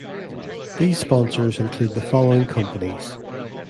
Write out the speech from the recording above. These sponsors include the following companies.